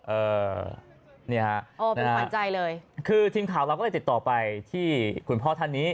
เอ่อเนี่ยฮะคือทีมข่าวเราก็เลยติดต่อไปที่คุณพ่อทานิ